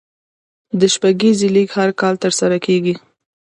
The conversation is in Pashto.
د شپږیزې لیګ هر کال ترسره کیږي.